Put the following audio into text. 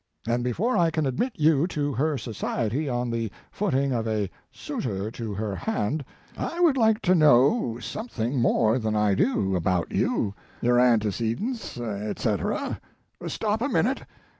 and before I can admit you to her society on the footing of a suitor to her hand. I. would like, to know something 104 Mark Twain more than I do about you, your antece dents, etc. Stop a minute